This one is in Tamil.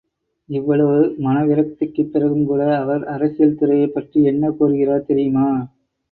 இவ்வளவு மனவிரக்திக்குப் பிறகும் கூட, அவர் அரசியல் துறையைப் பற்றி என்ன கூறுகிறார் தெரியுமா!